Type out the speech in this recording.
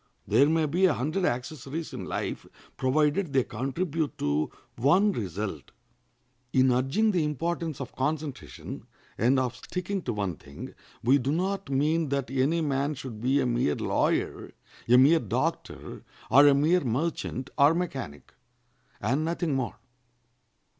There may be a hundred accessories in life, provided they contribute to one result. In urging the importance of concentration, and of sticking to one thing, we do not mean that any man should be a mere lawyer, a mere doctor, or a mere merchant or mechanic, and nothing more.